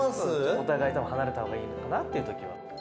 お互い、たぶん、離れたほうがいいのかなってときは。